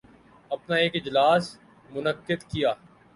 اپنا ایک اجلاس منعقد کیا